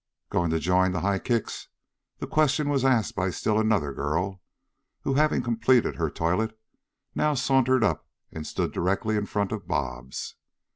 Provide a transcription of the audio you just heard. "Goin' to join the high kicks?" This question was asked by still another girl who, having completed her toilet, now sauntered up and stood directly in front of Bobs.